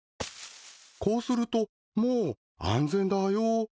こうするともう安全だよ。